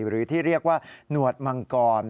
หรือที่เรียกว่าหนวดมังกร